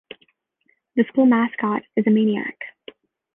The school mascot is a Maniac.